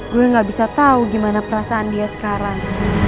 gue gak bisa tahu gimana perasaan dia sekarang